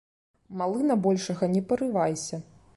Малы на большага не парывайся!